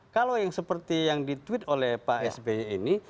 kalau yang seperti yang ditweet oleh pak sby ini